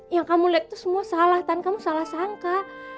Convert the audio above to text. yang kamu lihat itu semua salah dan kamu salah sangka